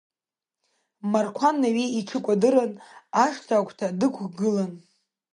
Марқәан Наҩеи иҽы кәадырны, ашҭа агәҭа дықәгылан.